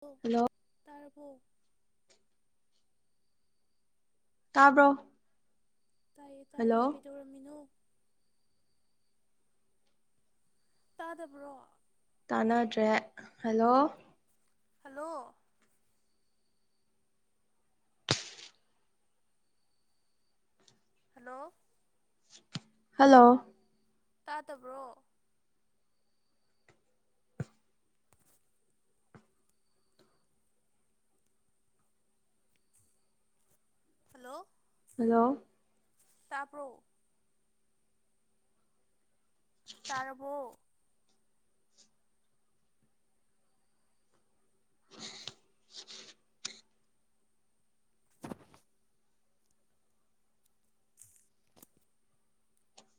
ꯕꯣ ꯍꯜꯂꯣ ꯇꯥꯔ ꯕꯣ ꯇꯥꯕ꯭ꯔꯣ ꯇꯥꯏꯌꯦ ꯇꯥꯏꯌꯦ ꯍꯜꯂꯣ ꯀꯩꯗꯧꯔꯝꯃꯤꯅꯣ ꯇꯥꯗꯕ꯭ꯔꯣ ꯇꯥꯟꯅꯗ꯭ꯔꯦ ꯍꯂꯣ ꯍꯂꯣ ꯍꯂꯣ ꯍꯜꯂꯣ ꯇꯥꯗꯕ꯭ꯔꯣ ꯍꯜꯂꯣ ꯍꯂꯣ ꯇꯥꯕ꯭ꯔꯣ ꯇꯥꯔꯕꯣ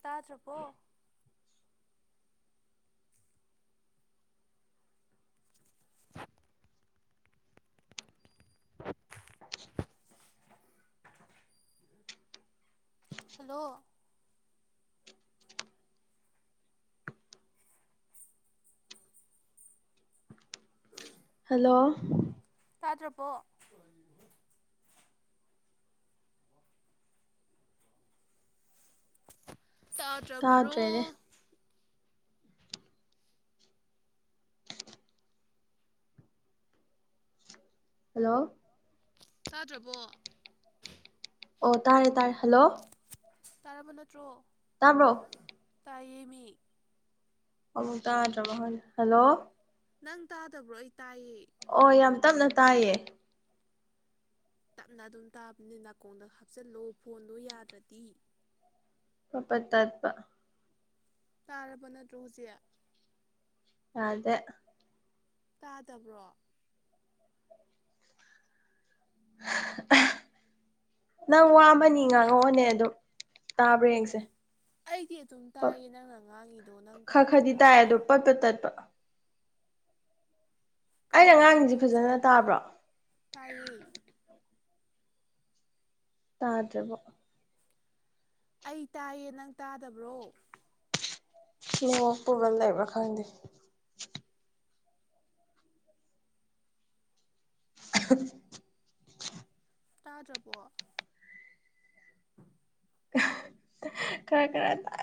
ꯇꯥꯗ꯭ꯔꯕꯣ [inaudible] ꯍꯜꯂꯣ ꯍꯜꯂꯣ ꯇꯥꯇ꯭ꯔꯕꯣ ꯇꯥꯗ꯭ꯔꯥꯕꯔꯣ ꯇꯥꯗ꯭ꯔꯦꯅꯦ ꯍꯜꯂꯣ ꯇꯥꯗ꯭ꯔꯕꯣ ꯑꯣ ꯇꯥꯔꯦ ꯇꯥꯔꯦ ꯍꯜꯂꯣ ꯇꯥꯔꯕ ꯅꯠꯇ꯭ꯔꯣ ꯇꯥꯕ꯭ꯔꯣ ꯇꯥꯏꯌꯦꯃꯤ ꯑꯃꯨꯛ ꯇꯥꯗ꯭ꯔꯕ ꯈꯪꯗꯦ ꯍꯜꯂꯣ ꯅꯪ ꯇꯥꯗꯕ꯭ꯔꯣ ꯑꯩ ꯇꯥꯏꯌꯦ ꯑꯣ ꯌꯥꯝ ꯇꯞꯅ ꯇꯥꯌꯦ ꯇꯞꯅ ꯑꯗꯨꯝ ꯇꯥꯕꯅꯤ ꯅꯥꯀꯣꯡꯗ ꯍꯥꯞꯆꯤꯜꯂꯣ ꯐꯣꯟꯗꯣ ꯌꯥꯗ꯭ꯔꯗꯤ ꯄꯠ-ꯄꯠ ꯇꯠꯄꯥ ꯇꯥꯔꯕ ꯅꯇ꯭ꯔꯣ ꯍꯧꯖꯤꯛ ꯌꯥꯗꯦ ꯇꯥꯗꯕ꯭ꯔꯣ ꯍ ꯑꯍ ꯅꯪ ꯋꯥ ꯑꯃ-ꯅꯤ ꯉꯥꯡꯉꯛꯑꯣꯅꯦ ꯑꯗꯨꯝ ꯇꯥꯕ꯭ꯔ ꯌꯦꯡꯁꯦ ꯑꯩꯗꯤ ꯑꯗꯨꯝ ꯇꯥꯏꯌꯦ ꯈꯔ ꯅꯪꯅ ꯉꯥꯡꯉꯤꯗꯣ ꯅꯪ ꯈꯔꯗꯤ ꯇꯥꯏ ꯇꯥꯗꯕ꯭ꯔꯕ ꯑꯗꯣ ꯄꯠ ꯄꯠ ꯇꯠꯄ ꯑꯩꯅ ꯉꯥꯡꯉꯤꯁꯤ ꯀꯩꯗꯧꯔꯝꯃꯤꯅꯣ ꯍꯧꯖꯤꯛ ꯐꯖꯅ ꯇꯥꯕ꯭ꯔꯣ ꯇꯥꯏꯌꯦ ꯇꯥꯗ꯭ꯔꯥꯕꯣ ꯑꯩ ꯇꯥꯏꯌꯦ ꯅꯪ ꯇꯥꯗꯕ꯭ꯔꯣ ꯅ‌ꯣꯄꯒ ꯂꯩꯕ꯭ꯔ ꯈꯪꯗ‌ꯦ [unintelligible] ꯇꯥꯗ꯭ꯔꯕꯣ ꯈꯔ ꯈꯔ ꯇꯥ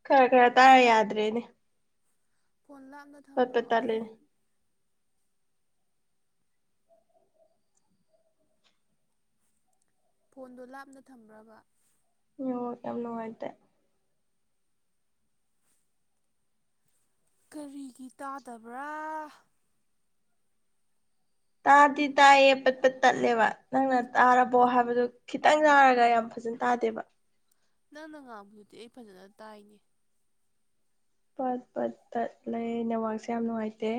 ꯏꯈꯔ ꯈꯔ ꯇꯥ ꯌꯥꯗ꯭ꯔꯦꯅꯦ ꯐꯣꯟ ꯂꯥꯞꯅ ꯄꯠ ꯄꯠ ꯊꯝꯕ꯭ꯔꯣ ꯇꯠꯂꯦ ꯐꯣꯟꯗꯣ ꯂꯥꯞꯅ ꯊꯝꯕ꯭ꯔꯕ ꯅ‌ꯦꯠꯋꯥꯔꯛ ꯌꯥꯝ ꯅꯨꯡꯉꯥꯏꯇꯦ ꯀꯔꯤꯒꯤ ꯇꯥꯗꯕ꯭ꯔꯥ ꯇꯥꯗꯤ ꯇꯥꯏꯌꯦ ꯄꯠꯄꯠ ꯇꯠꯂꯦꯕ ꯅꯪꯅ ꯇꯥꯔꯕꯣ ꯍꯥꯏꯕꯗꯨ ꯈꯤꯇꯪ ꯇꯥꯔꯒ ꯌꯥꯝ ꯐꯖꯟ ꯇꯥꯗꯦꯕ ꯅꯪꯅ ꯉꯥꯡꯕꯗꯨꯗꯤ ꯑꯩ ꯐꯖꯅ ꯇꯥꯏꯅꯦ ꯄꯠ ꯄꯠ ꯇꯠ ꯂꯩ ꯅꯦꯋꯥꯛꯁꯦ ꯌꯥꯝ ꯅꯨꯡꯉꯥꯏꯇꯦ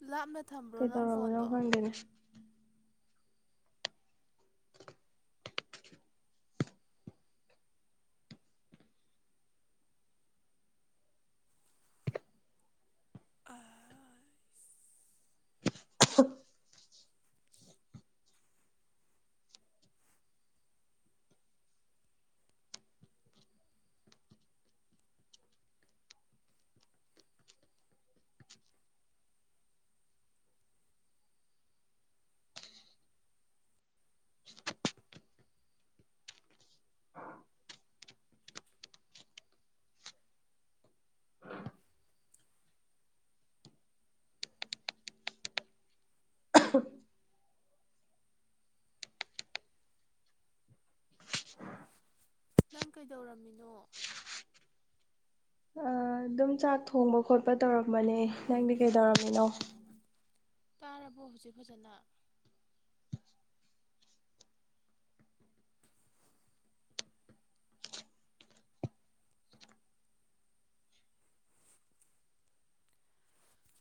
ꯂꯥꯞꯅ ꯊꯝꯕ꯭ꯔꯣ ꯅꯪ ꯀꯩꯗꯧꯔꯕꯅꯣ ꯐꯣꯟꯗꯣ ꯈꯪꯗꯦꯅꯦ [unintelligible] [unintelligible] [unintelligible] ꯅꯪ ꯀꯩꯗꯧꯔꯝꯃꯤꯅꯣ ꯑ ꯑꯗꯨꯝ ꯆꯥꯛ ꯊꯣꯡꯕ ꯈꯣꯠꯄ ꯇꯧꯔꯝꯕꯅꯦ ꯅꯪꯗꯤ ꯀꯩꯗꯧꯔꯝꯃꯤꯅꯣ ꯇꯥꯔꯕꯣ ꯍꯧꯖꯤꯛ ꯐꯖꯅ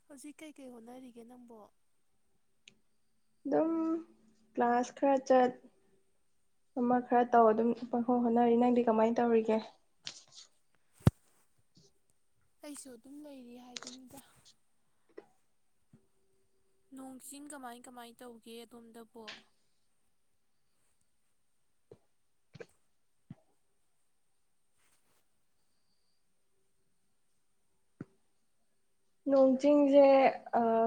ꯍꯧꯖꯤꯛ ꯀꯩꯀꯩ ꯍꯣꯠꯅꯔꯤꯒꯦ ꯅꯪꯕꯣ ꯑꯗꯨꯝ ꯀ꯭ꯂꯥꯁ ꯈꯔ ꯆꯠ ꯑꯃ ꯈꯔ ꯇꯧ ꯑꯗꯨꯝ ꯄꯪ ꯍꯣꯠꯅꯔꯤ ꯅꯪꯗꯤ ꯀꯃꯥꯏꯅ ꯇꯧꯔꯤꯒꯦ ꯑꯩꯁꯨ ꯑꯗꯨꯝ ꯂꯩꯔꯤ ꯍꯥꯏꯗꯨꯅꯤꯗ ꯅꯣꯡ ꯆꯤꯡ ꯀꯃꯥꯏ ꯀꯃꯥꯏ ꯇꯧꯒꯦ ꯑꯗꯣꯝꯗꯕꯣ ꯅꯣꯡ ꯆꯤꯡꯁꯦ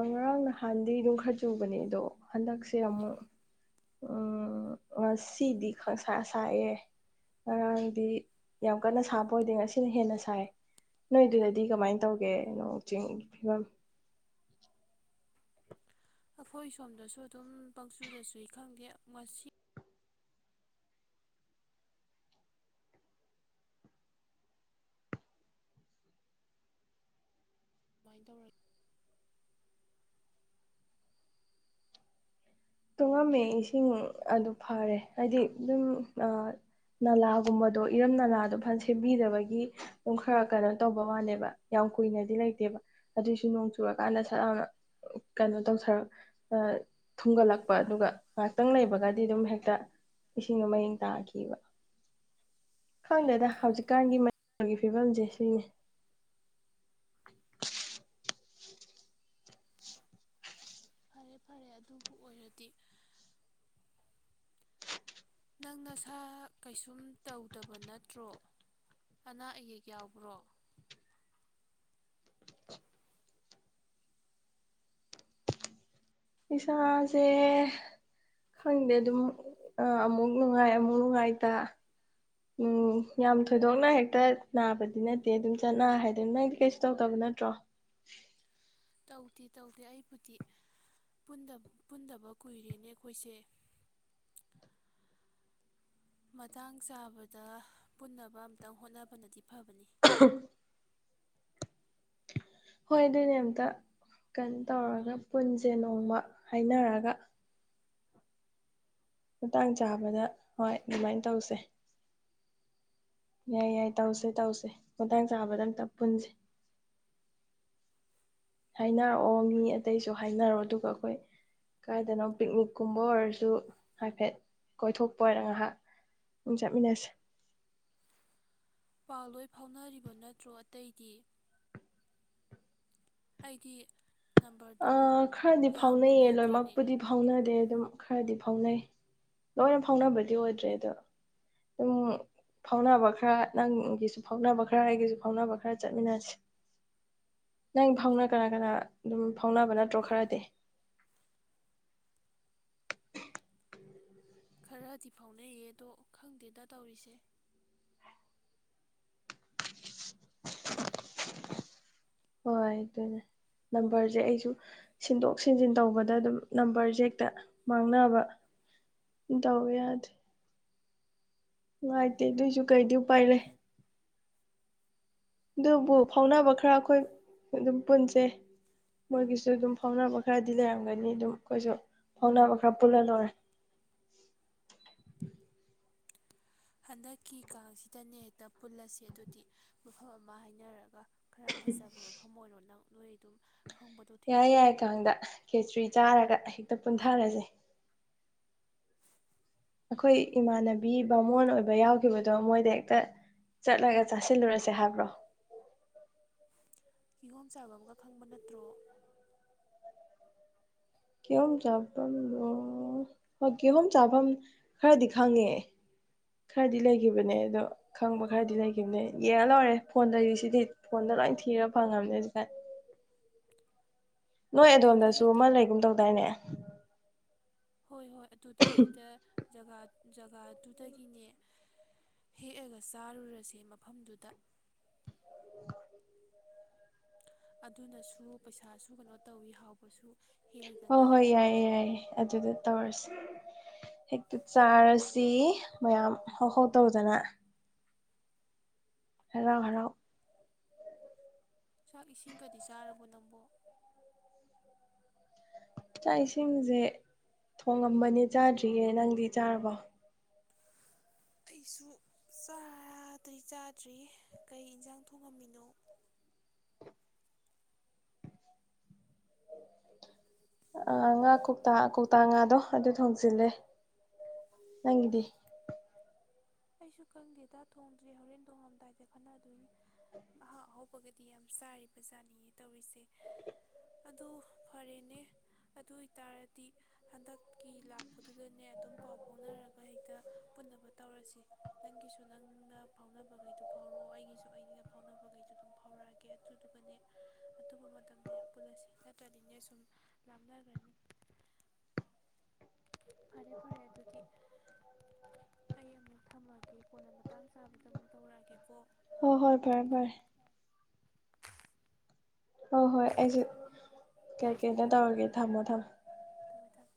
ꯉꯔꯥꯡ ꯅꯍꯥꯟꯗꯤ ꯑꯗꯨꯝ ꯈꯔ ꯆꯨꯕꯅꯦ ꯑꯗꯣ ꯍꯟꯗꯛꯁꯦ ꯑꯃꯨꯛ ꯎꯝ ꯉꯁꯤꯗꯤ ꯈꯪꯁꯥ ꯁꯥꯏꯑꯦ ꯉꯔꯥꯡꯗꯤ ꯌꯥꯝ ꯀꯟꯅ ꯁꯥꯕ ꯑꯣꯏꯗꯦ ꯉꯁꯤꯅ ꯍꯦꯟꯅ ꯁꯥꯏ ꯅꯣꯏꯗꯨꯗꯗꯤ ꯀꯃꯥꯏꯅ ꯇꯧꯒꯦ ꯅꯣꯡ ꯆꯤꯡꯒꯤ ꯐꯤꯕꯝ ꯑꯩꯈꯣꯏ ꯁꯣꯝꯗꯁꯨ ꯑꯗꯨꯝ ꯄꯪꯆꯨꯗꯁꯨꯨꯏ ꯈꯪꯗꯦ ꯉꯁꯤ ꯑꯗꯨꯃꯥꯏꯅ ꯇꯧꯔ‌ꯦ ꯇꯨꯡꯉꯝꯃꯦ ꯏꯁꯤꯡ ꯑꯗꯨ ꯐꯔꯦ ꯍꯥꯏꯗꯤ ꯑꯗꯨꯝ ꯅꯂꯥꯒꯨꯝꯕꯗꯣ ꯏꯔꯝ ꯅꯂꯥꯗꯣ ꯐꯖꯟ ꯁꯦꯝꯕꯤꯗꯕꯒꯤ ꯑꯗꯨꯝ ꯈꯔ ꯀꯩꯅꯣ ꯇꯧꯕ ꯋꯥꯂꯦꯕ ꯌꯥꯝ ꯀꯨꯏꯅꯗꯤ ꯂꯩꯇꯦꯕ ꯑꯗꯨꯏꯁꯨ ꯅꯣꯡ ꯆꯨꯔꯀꯥꯟꯗ ꯁꯠ ꯂꯥꯎꯅ ꯀꯩꯅꯣ ꯇꯧꯔꯛ ꯊꯨꯡꯒꯠꯂꯛ ꯑꯗꯨꯒ ꯉꯥꯏꯍꯥꯛꯇꯪ ꯂꯩꯕꯒꯗꯤ ꯑꯗꯨꯝ ꯍꯦꯛꯇ ꯏꯁꯤꯡꯗꯣ ꯃꯌꯦꯡ ꯇꯥꯈꯤꯕ ꯈꯪꯗꯦꯗ ꯍꯧꯖꯤꯛꯀꯥꯟꯒꯤ ꯃꯅꯤꯄꯨꯔꯒꯤ ꯐꯤꯕꯝꯁꯦ ꯁꯤꯅ‌ꯦ ꯐꯔꯦ ꯐꯔꯦ ꯑꯗꯨꯕꯨ ꯑꯣꯏꯔꯗꯤ ꯅꯪ ꯅꯁꯥ ꯀꯩꯁꯨꯝ ꯇꯧꯗꯕ ꯅꯠꯇ꯭ꯔꯣ ꯑꯅꯥ ꯑꯌꯦꯛ ꯌꯥꯎꯕ꯭ꯔꯣ ꯏꯁꯥꯁꯦ ꯈꯪꯗꯦ ꯑꯗꯨꯝ ꯑꯃꯨꯛ ꯅꯨꯡꯉꯥꯏ ꯑꯃꯨꯛ ꯅꯨꯡꯉꯥꯏꯇ ꯎꯝ ꯌꯥꯝ ꯊꯣꯏꯗꯣꯛꯅ ꯍꯦꯛꯇ ꯅꯥꯕꯗꯤ ꯅꯠꯇꯦ ꯑꯗꯨꯝ ꯆꯠꯅ ꯍꯥꯏꯗꯅ ꯅꯪꯗꯤ ꯀꯩꯁꯨ ꯇꯧꯗꯕ ꯅꯠꯇ꯭ꯔꯣ ꯇꯧꯗꯦ ꯇꯧꯗꯦ ꯑꯩꯕꯨꯗꯤ ꯄꯨꯟꯗ ꯄꯨꯟꯗꯕ ꯀꯨꯏꯔꯦꯅꯦ ꯑꯩꯈꯣꯏꯁꯦ ꯃꯇꯥꯡ ꯆꯥꯕꯗ ꯄꯨꯟꯅꯕ ꯑꯝꯇꯪ ꯍꯣꯠꯅꯕꯅꯗꯤ ꯐꯕꯅꯤ ꯍꯣꯏ ꯑꯗꯨꯅꯦ ꯑꯝꯇ ꯀꯩꯅꯣ ꯇꯧꯔꯒ ꯄꯨꯟꯁꯦ ꯅꯣꯡꯃ ꯍꯥꯏꯅꯔꯒ ꯃꯇꯥꯡ ꯆꯥꯕꯗ ꯍꯣꯏ ꯑꯗꯨꯃꯥꯏꯅ ꯇꯧꯁꯦ ꯌꯥꯏ ꯌꯥꯏ ꯇꯧꯁꯦ ꯇꯧꯁꯦ ꯃꯇꯥꯡ ꯆꯥꯕꯗ ꯑꯝꯇ ꯄꯨꯟꯁꯦ ꯍꯥꯏꯅꯔꯛꯑꯣ ꯃꯤ ꯑꯇꯩꯁꯨ ꯍꯥꯏꯅꯔꯑꯣ ꯑꯗꯨꯒ ꯑꯩꯈꯣꯏ ꯀꯥꯏꯗꯅꯣ ꯄꯤꯛꯅꯤꯛꯀꯨꯝꯕ ꯑꯣꯏꯔꯁꯨ ꯍꯥꯏꯐꯦꯠ ꯀꯣꯏꯊꯣꯛꯄ ꯑꯣꯏꯔ ꯉꯥꯏꯍꯥꯛ ꯑꯗꯨꯝ ꯆꯠꯃꯤꯟꯅꯁꯦ ꯄꯥꯜꯂꯣꯏ ꯐꯥꯎꯅꯔꯤꯕ ꯅꯠꯇ꯭ꯔꯣ ꯑꯇꯩꯗꯤ ꯑꯩꯗꯤ ꯅꯝꯕꯔꯗꯣ ꯑꯥ ꯈꯔꯗꯤ ꯌꯥꯝꯕꯨ ꯐꯥꯎꯅꯩꯌꯦ ꯂꯩꯇ꯭ꯔꯦꯅꯦ ꯂꯣꯏꯅꯃꯛꯄꯨꯗꯤ ꯐꯥꯎꯅꯗꯦ ꯑꯗꯨꯝ꯫ ꯈꯔꯗꯤ ꯐꯥꯎꯅꯩ ꯂꯣꯏꯅ ꯐꯥꯎꯅꯕꯗꯤ ꯑꯣꯏꯗ꯭ꯔꯦ ꯑꯗꯣ ꯑꯗꯨꯝ ꯐꯥꯎꯅꯕ ꯈꯔ ꯅꯪꯒꯤꯁꯨ ꯐꯥꯎꯅꯕ ꯈꯔ ꯑꯩꯒꯤꯁꯨ ꯐꯥꯎꯅꯕ ꯈꯔ ꯆꯠꯃꯤꯟꯅꯁꯤ꯫ ꯅꯪ ꯐꯥꯎꯅ ꯀꯅꯥ-ꯀꯅꯥ ꯑꯗꯨꯝ ꯐꯥꯎꯅꯕ ꯅꯠꯇ꯭ꯔꯣ ꯈꯔꯗꯤ꯫ ꯈꯔꯗꯤ ꯐꯥꯎꯅꯩꯌꯦ ꯑꯗꯣ ꯈꯪꯗꯦꯗ ꯇꯧꯔꯤꯁꯦ꯫ ꯍꯣꯏ ꯑꯗꯨꯅꯦ ꯅꯝꯕꯔꯁꯦ ꯑꯩꯁꯨ ꯁꯤꯟꯗꯣꯛ ꯁꯤꯟꯖꯤꯟ ꯇꯧꯕꯗ ꯑꯗꯨꯝ ꯅꯝꯕꯔꯁꯦ ꯍꯦꯛꯇ ꯃꯥꯡꯅꯕ ꯗꯥꯎ ꯌꯥꯗ꯭ꯔꯦ꯫ ꯅꯨꯡꯉꯥꯏꯇꯦ ꯑꯗꯨꯏꯁꯨ ꯀꯩꯗꯤ ꯎꯄꯥꯏ ꯂꯩ꯫ ꯑꯗꯨꯕꯨ ꯐꯥꯎꯅꯕ ꯈꯔ ꯑꯩꯈꯣꯏ ꯑꯗꯨꯝ ꯄꯨꯟꯁꯦ꯫ ꯃꯣꯏꯒꯤꯁꯨ ꯑꯗꯨꯝ ꯐꯥꯎꯅꯕ ꯈꯔꯗꯤ ꯂꯩꯔꯝꯒꯅꯤ ꯑꯗꯨꯝ ꯑꯩꯈꯣꯏꯁꯨ, ꯐꯥꯎꯅꯕ ꯈꯔ ꯄꯨꯜꯂ ꯂꯣꯏꯔꯦ꯫ ꯍꯟꯗꯛꯀꯤ ꯀꯥꯡꯁꯤꯗꯅꯦ ꯍꯦꯛꯇ ꯄꯨꯜꯂꯁꯦ ꯑꯗꯨꯗꯤ ꯃꯐꯝ ꯑꯃ ꯍꯥꯏꯅꯔꯒ꯫ ꯈꯔ ꯐꯖꯕ ꯃꯐꯝ ꯑꯣꯏꯔꯣ ꯅꯪ ꯅꯣꯏ ꯑꯗꯨꯝ ꯈꯪꯕꯗꯣ ꯊꯤꯅꯔꯛꯑꯣ ꯌꯥꯏ-ꯌꯥꯏ ꯀꯥꯡꯗ ꯈꯦꯆꯔꯤ ꯆꯥꯔꯒ ꯍꯦꯛꯇ ꯄꯨꯟꯊꯔꯁꯦ꯫ ꯑꯩꯈꯣꯏ ꯏꯃꯥꯟꯅꯕꯤ ꯕꯥꯃꯣꯟ ꯑꯣꯏꯕ ꯌꯥꯎꯈꯤꯕꯗꯣ ꯃꯣꯏꯗ ꯍꯦꯛꯇ ꯆꯠꯂꯒ ꯆꯥꯁꯤꯜꯂꯨꯔꯁꯦ ꯍꯥꯏꯕ꯭ꯔꯣ꯫ ꯀꯤꯍꯣꯝ ꯆꯥꯕꯝꯒ ꯈꯪꯕ ꯅꯠꯇ꯭ꯔꯣ꯫ ꯀꯤ ꯍꯣꯝ ꯆꯥꯐꯝꯗꯣ, ꯍꯣꯏ ꯀꯤꯍꯣꯝ ꯆꯥꯐꯝ ꯈꯔꯗꯤ ꯈꯪꯉꯦ, ꯈꯔꯗꯤ ꯂꯩꯈꯤꯕꯅꯦ ꯑꯗꯣ ꯈꯪꯕ ꯈꯔꯗꯤ ꯂꯩꯈꯤꯕꯅꯦ ꯌꯦꯡꯉ ꯂꯣꯏꯔꯦ ꯐꯣꯟ ꯂꯩꯔꯤꯁꯤꯗꯤ ꯐꯣꯟꯗ ꯂꯣꯏ ꯊꯤꯔ ꯐꯪꯉꯕꯅꯦ ꯍꯧꯖꯤꯛ ꯀꯥꯟ꯫ ꯅꯣꯏ ꯑꯗꯨꯗ ꯑꯗꯣꯝꯗꯁꯨ ꯍꯦꯛꯇ ꯑꯃ ꯂꯩꯒꯨꯝ ꯇꯧꯗꯥꯏꯅꯦ꯫ ꯍꯣꯏ--ꯍꯣꯏ꯫ ꯑꯗꯨꯗ ꯍꯦꯛꯇ ꯖꯒꯥ ꯖꯒꯥꯗꯨꯗꯒꯤꯅꯦ ꯍꯦꯛꯑꯒ ꯆꯥꯔꯨꯔꯁꯦ ꯃꯐꯝꯗꯨꯗ ꯑꯗꯨꯅꯁꯨ ꯄꯩꯁꯥꯁꯨ ꯀꯩꯅꯣ ꯇꯧꯋꯤ ꯍꯥꯎꯕꯁꯨ ꯍꯣ ꯍꯦꯜꯂꯤꯗꯅ ꯍꯣꯏ ꯌꯥꯏꯌꯦ-ꯌꯥꯏꯌꯦ ꯑꯗꯨꯗ ꯇꯧꯔꯁꯤ ꯍꯦꯛꯇ ꯆꯥꯔꯁꯤ ꯃꯌꯥꯝ ꯍꯧ-ꯍꯧ ꯇꯧꯗꯅ꯫ ꯍꯔꯥꯎ-ꯍꯔꯥꯎ ꯆꯥꯛ ꯏꯁꯤꯡꯒꯗꯤ ꯆꯥꯔꯕꯣ ꯅꯪꯕꯣ꯫ ꯆꯥꯛ ꯏꯁꯤꯡꯁꯦ, ꯊꯣꯡꯉꯝꯕꯅꯦ ꯆꯥꯗ꯭ꯔꯤꯌꯦ ꯅꯪꯗꯤ ꯆꯥꯔꯕꯣ꯫ ꯑꯩꯁꯨ ꯆꯥꯗꯤ ꯆꯥꯗ꯭ꯔꯤ ꯀꯩ ꯏꯟꯁꯥꯡ ꯊꯣꯡꯉꯝꯃꯤꯅꯣ꯫ ꯑ ꯉꯥ ꯀꯧꯇꯥ ꯀꯧꯇꯥ ꯉꯥꯗꯣ ꯑꯗꯨ ꯊꯣꯡꯖꯤꯜꯂ꯫ꯦ ꯅꯪꯒꯤꯗꯤ꯫ ꯑꯩꯁꯨ ꯈꯪꯗꯦꯗ ꯊꯣꯡꯗ꯭ꯔꯤ ꯍꯣꯔꯦꯟ ꯊꯣꯡꯉꯝꯗꯥꯏꯗ ꯈꯠꯅꯗꯣꯏꯅꯤ꯫ ꯑꯍꯥꯎ ꯑꯍꯥꯎꯧꯕꯒꯗꯤ ꯌꯥꯝ ꯆꯥꯔꯤꯕ ꯖꯥꯅꯤꯌꯦ ꯇꯧꯔꯤꯁꯦ꯫ ꯑꯗꯨ ꯐꯔꯦꯅꯦ ꯑꯗꯨ ꯑꯣꯏꯇꯥꯔꯗꯤ, ꯍꯟꯗꯛꯀꯤ ꯂꯥꯛꯄꯗꯨꯗꯅꯦ ꯑꯗꯨꯝ ꯄꯥꯎ ꯐꯥꯎꯅꯔꯒ ꯍꯦꯛꯇ ꯄꯨꯟꯅꯕ ꯇꯧꯔꯁꯤ꯫ ꯅꯪꯒꯤꯁꯨ ꯅꯪꯅ ꯐꯥꯎꯅꯕꯈꯩꯗꯨ ꯐꯥꯎꯔꯛꯑꯣ ꯑꯩꯒꯤꯁꯨ ꯑꯩꯒ ꯐꯥꯎꯅꯕꯈꯩꯁꯨ ꯑꯗꯨꯝ ꯐꯥꯎꯔꯛꯑꯒꯦ ꯑꯗꯨꯗꯨꯒꯅꯦ ꯑꯊꯨꯕ ꯃꯇꯝꯗ ꯄꯨꯜꯂꯁꯤ ꯅꯠꯇ꯭ꯔꯗꯤꯅꯦ ꯁꯨꯝ ꯂꯥꯞꯅꯈ꯭ꯔꯅꯤ꯫ ꯐꯔꯦ-ꯐꯔꯦ ꯑꯗꯨꯗꯤ ꯑꯩ ꯑꯃꯨꯛ ꯊꯝꯃꯒꯦ ꯀꯣꯟꯅ ꯃꯇꯥꯡ ꯆꯥꯕꯗ ꯑꯃꯨꯛ ꯇꯧꯔꯛꯑꯒꯦꯀꯣ꯫ ꯍꫭ ꯍꯣꯏ ꯊꯝꯃꯦ ꯐꯔꯦ-ꯐꯔꯦ꯫ ꯑ ꯍꯣꯏ ꯑꯩꯁꯦ ꯀꯩ ꯀꯩꯅꯣ ꯇꯧꯔꯒꯦ ꯊꯝꯃꯣ-ꯊꯝꯃꯣ꯫ ꯗ [unintelligible]